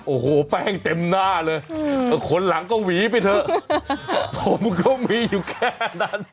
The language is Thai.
โอ้โหแป้งเต็มหน้าเลยคนหลังก็หวีไปเถอะผมก็มีอยู่แค่นั้น